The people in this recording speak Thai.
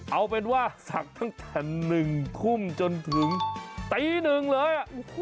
เอาเป็นว่าสักทั้งชั้นหนึ่งคุ่มจนถึงตีหนึ่งเลย